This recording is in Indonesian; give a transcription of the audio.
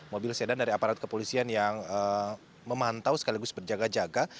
mobil sedan dari aparat kepolisian yang memantau sekaligus berjaga jaga